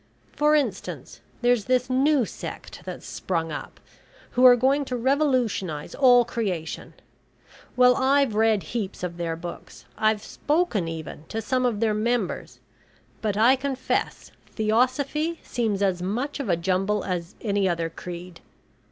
For instance, there's this new sect that's sprung up, who are going to revolutionise all creation well, I've read heaps of their books, I've spoken even to some of their members, but I confess Theosophy seems as much of a jumble as any other creed.